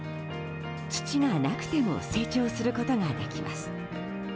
土がなくても成長することができます。